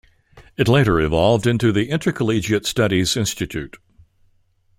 It later evolved into the Intercollegiate Studies Institute.